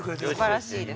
◆すばらしいです。